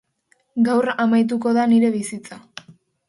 Gaur amaituko da nire bizitza.